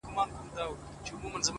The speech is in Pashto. o ستا د تورو سترگو اوښکي به پر پاسم؛